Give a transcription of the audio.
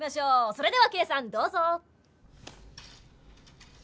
それではＫさんどうぞ。